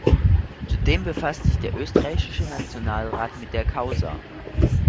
Zudem befasste sich der österreichische Nationalrat mit der Causa.